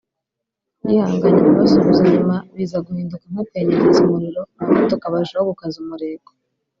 yihanganye arabasubiza nyuma biza guhinduka nko kwenyegeza umuriro abamutuka barushaho gukaza umurego